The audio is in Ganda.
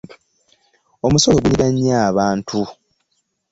Omusolo gunyiga nnyo abantu.